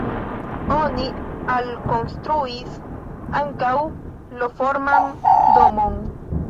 Oni alkonstruis ankaŭ L-forman domon.